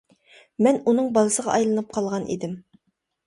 مەن ئۇنىڭ بالىسىغا ئايلىنىپ قالغان ئىدىم.